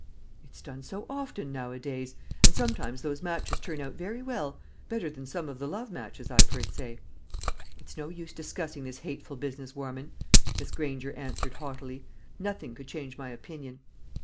"It's done so often nowadays. And sometimes those matches turn out very well better than some of the love matches, I've heard say." "It's no use discussing this hateful business, Warman," Miss Granger answered haughtily. "Nothing could change my opinion."